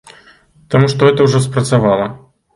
Таму што гэта ўжо спрацавала.